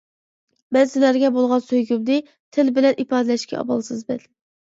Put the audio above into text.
مەن سىلەرگە بولغان سۆيگۈمنى تىل بىلەن ئىپادىلەشكە ئامالسىزمەن.